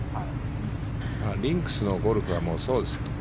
リンクスのゴルフはそうです。